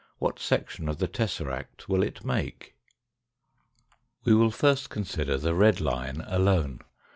What section of the tesseract will it make ? We will first consider the red line alone.